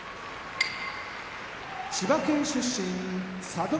千葉県出身佐渡ヶ